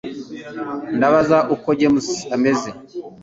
Ndabaza uko James ameze